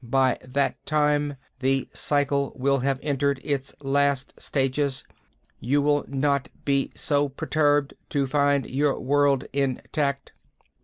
By that time the cycle will have entered its last stages. You will not be so perturbed to find your world intact.